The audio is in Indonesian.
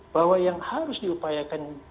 bahwa yang harus diupayakan